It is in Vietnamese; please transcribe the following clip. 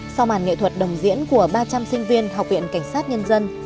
sau màn nghệ thuật đồng diễn của ba trăm linh sinh viên học viện cảnh sát nhân dân